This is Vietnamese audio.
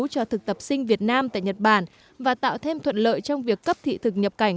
cho thực tập sinh việt nam tại nhật bản và tạo thêm thuận lợi trong việc cấp thị thực nhập cảnh